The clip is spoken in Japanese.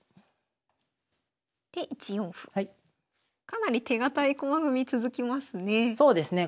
かなり手堅い駒組み続きますね。